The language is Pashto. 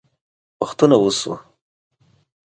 وختونه وشوه